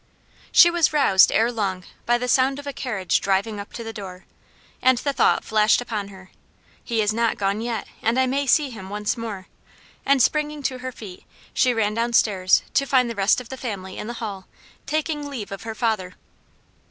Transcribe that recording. She was roused ere long by the sound of a carriage driving up to the door, and the thought flashed upon her, "He is not gone yet, and I may see him once more;" and springing to her feet, she ran downstairs, to find the rest of the family in the hall, taking leave of her father.